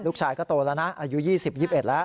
ลูกชายก็โตแล้วนะอายุ๒๐๒๑แล้ว